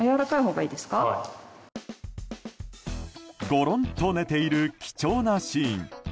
ごろんと寝ている貴重なシーン。